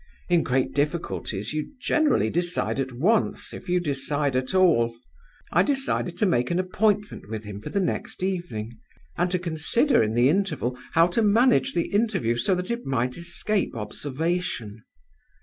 In great difficulties you generally decide at once, if you decide at all. I decided to make an appointment with him for the next evening, and to consider in the interval how to manage the interview so that it might escape observation.